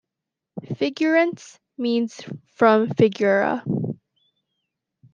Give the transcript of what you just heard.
Figueirense means "from Figueira".